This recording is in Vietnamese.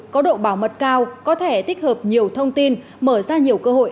có độ bảo mật cao có thể tích hợp nhiều thông tin mở ra nhiều cơ hội